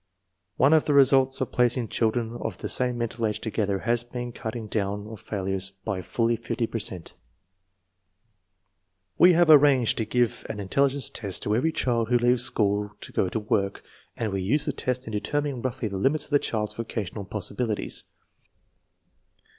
One of the results of placing children of the same mental age together has been the cut ting down of failures by fully 50 per cent. * Page 64, 304 INTELLIGENCE OP SCHOOL CHILDREN We have arranged to give an intelligence test to every child who leaves school to go to work, and we use the test in determining roughly the limits of the child's vocational possibilities.